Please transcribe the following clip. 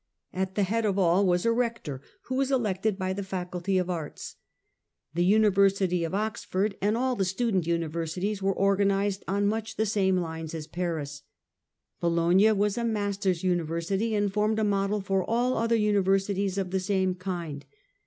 At the head of all was a Eector, who was elected by the Faculty of Arts. The University of Oxford, and all the Student Universities, were organized on much the same lines as Paris. Bologna was a Masters' University, and formed a model for all other Universities of the same kind.